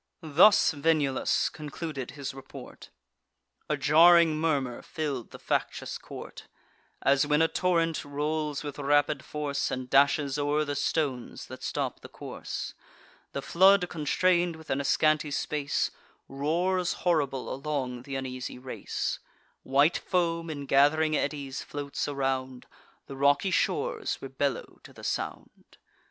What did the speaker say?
Thus Venulus concluded his report. A jarring murmur fill'd the factious court: As, when a torrent rolls with rapid force, And dashes o'er the stones that stop the course, The flood, constrain'd within a scanty space, Roars horrible along th' uneasy race; White foam in gath'ring eddies floats around; The rocky shores rebellow to the sound.